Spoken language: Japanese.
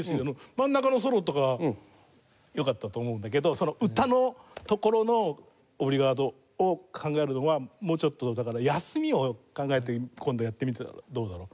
真ん中のソロとか良かったと思うんだけどその歌のところのオブリガートを考えるのはもうちょっとだから休みを考えて今度やってみたらどうだろう。